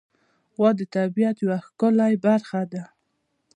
غوا د طبیعت یوه ښکلی برخه ده.